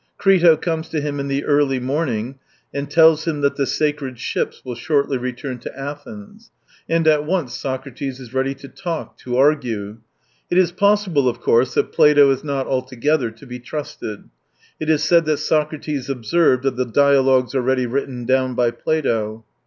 ... Crito comes to him in the early morning and tells him that the sacred ships will shortly return to Athens. And at once Socrates is ready to talk, to argue. ... It is possible, of course, that Plato is not altogether to be trusted. It is said that Socrates observed, of the dialogues already written down by Plato.